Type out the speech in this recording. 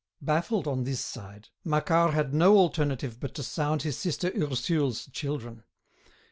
Baffled on this side, Macquart had no alternative but to sound his sister Ursule's children.